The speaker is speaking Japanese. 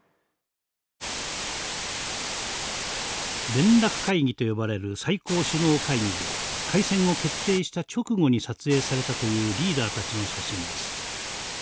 連絡会議と呼ばれる最高首脳会議で開戦を決定した直後に撮影されたというリーダーたちの写真です。